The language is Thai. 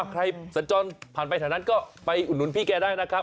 สัญจรผ่านไปแถวนั้นก็ไปอุดหนุนพี่แกได้นะครับ